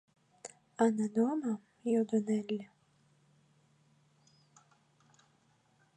Она дома? — йодо Нелли.